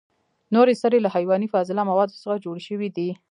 نورې سرې له حیواني فاضله موادو څخه جوړ شوي دي.